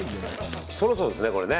そろそろですね、これね。